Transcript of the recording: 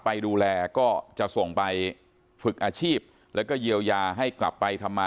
ไปดูแลก็จะส่งไปฝึกอาชีพแล้วก็เยียวยาให้กลับไปทำมา